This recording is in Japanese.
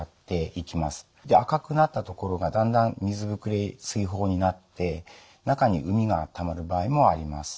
赤くなった所がだんだん水ぶくれ水疱になって中に膿がたまる場合もあります。